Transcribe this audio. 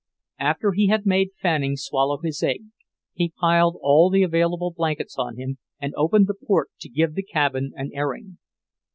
After he had made Fanning swallow his egg, he piled all the available blankets on him and opened the port to give the cabin an airing.